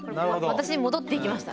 私に戻ってきました。